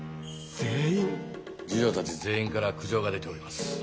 侍女たち全員から苦情が出ております。